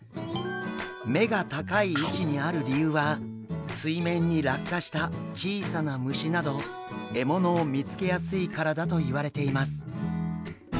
目が高い位置にある理由は水面に落下した小さな虫など獲物を見つけやすいからだといわれています。